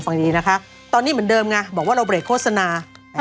ตอนนี้เหมือนเดิมไงบอกว่าเราเบรดโฆษณา